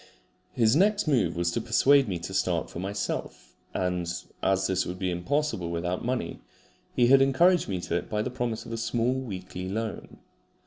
His next move was to persuade me to start for myself; and as this would be impossible without money, he had encouraged me to it by the promise of a small weekly loan.